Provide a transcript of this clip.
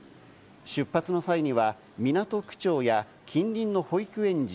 出発の際には港区長や近隣の保育園児